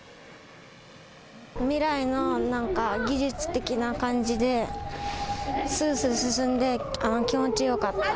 未来のなんか技術的な感じですいすい進んであの、気持ちよかった。